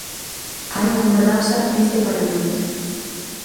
Hai unha mordaza neste parlamento.